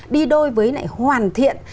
đi đôi với lại hoàn thiện